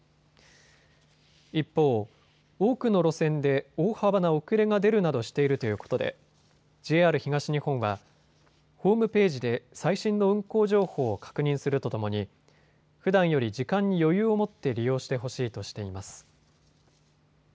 一方、多くの路線で大幅な遅れが出るなどしているということでＪＲ東日本はホームページで最新の運行情報を確認するとともにふだんより時間に余裕を持って利用してほしいとしています。